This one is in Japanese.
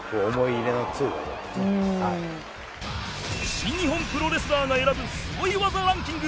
新日本プロレスラーが選ぶすごい技ランキング